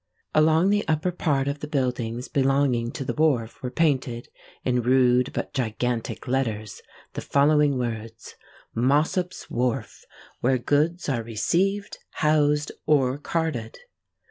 Along the upper part of the buildings belonging to the wharf were painted, in rude but gigantic letters, the following words:—"MOSSOP'S WHARF, WHERE GOODS ARE RECEIVED, HOUSED, OR CARTED."